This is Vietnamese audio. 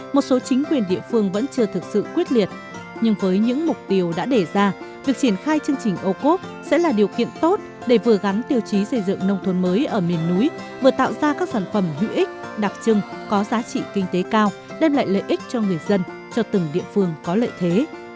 một số chính quyền địa phương vẫn chưa thực sự quyết liệt nhưng với những mục tiêu đã đề ra việc triển khai chương trình ô cốp sẽ là điều kiện tốt để vừa gắn tiêu chí xây dựng nông thôn mới ở miền núi vừa tạo ra các sản phẩm hữu ích đặc trưng có giá trị kinh tế cao đem lại lợi ích cho người dân cho từng địa phương có lợi thế